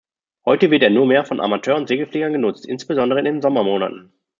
Heute wird er nur mehr von Amateur- und Segelfliegern genutzt, insbesondere in den Sommermonaten.